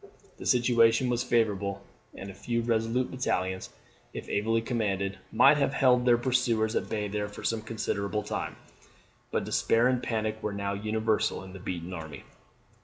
The situation was favourable; and a few resolute battalions, if ably commanded, might have held their pursuers at bay there for some considerable time. But despair and panic were now universal in the beaten army.